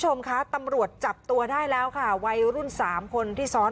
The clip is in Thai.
คุณผู้ชมคะตำรวจจับตัวได้แล้วค่ะวัยรุ่นสามคนที่ซ้อน